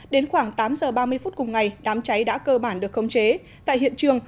đến khoảng tám giờ ba mươi phút cùng ngày đám cháy đã cơ bản được khống chế tại hiện trường